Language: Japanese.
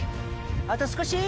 あと少し！